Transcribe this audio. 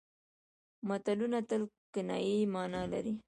متلونه تل کنايي مانا لري